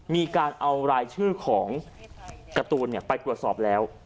มีการเอารายชื่อของการ์ตูนไปตรวจสอบแล้ว